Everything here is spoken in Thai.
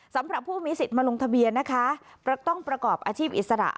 สำหรับผู้มีสิทธิ์มาลงทะเบียนนะคะต้องประกอบอาชีพอิสระ